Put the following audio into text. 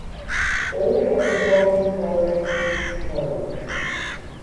All of the bombs failed to explode.